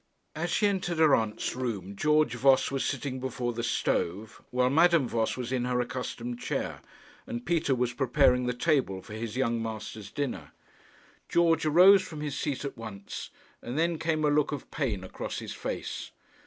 As she entered her aunt's room George Voss was sitting before the stove, while Madame Voss was in her accustomed chair, and Peter was preparing the table for his young master's dinner. George arose from his seat at once, and then came a look of pain across his face.